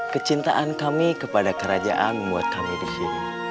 kecintaan kami kepada kerajaan membuat kami di sini